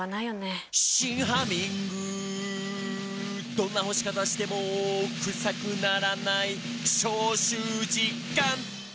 「どんな干し方してもクサくならない」「消臭実感！」